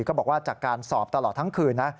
ก็บอกว่าจากการสอบตลอดทั้งคืนนะ